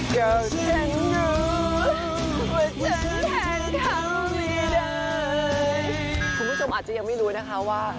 คุณผู้ชมอาจจะยังไม่รู้นะคะว่า